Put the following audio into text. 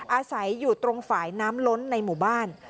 อาศัยอยู่ตรงฝ่ายน้ำล้นในหมู่บ้าน